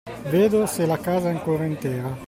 Vedo se la casa è ancora intera.